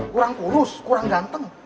kurang kurus kurang ganteng